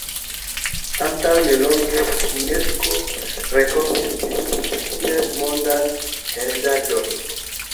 Antaŭ nelonge Unesko rekonis ĝin kiel Mondan Heredaĵon.